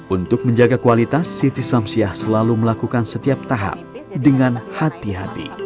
untuk menjaga kualitas siti samsiah selalu melakukan setiap tahap dengan hati hati